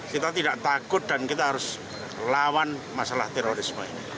kita harus lawan masalah terorisme ini